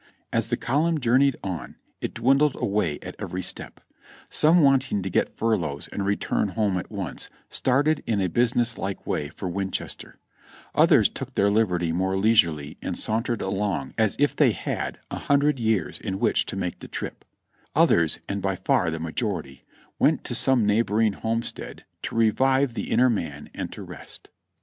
As the column journeyed on, it dwindled away at every step ; some wanting to get furloughs and return home at once, started in a business like way for Winchester; others took their liberty more leisurely and sauntered along as if they had a hundred years in which to make the trip; others, and by far the majority, went to some neighboring homestead to revive the inner man and to rest.